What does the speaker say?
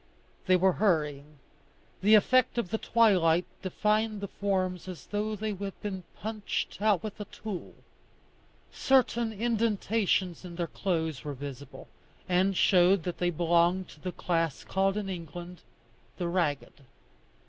They were hurrying. The effect of the twilight defined the forms as though they had been punched out with a tool. Certain indentations in their clothes were visible, and showed that they belonged to the class called in England the ragged.